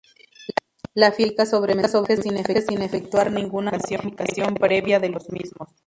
La firma se aplica sobre mensajes sin efectuar ninguna modificación previa de los mismos.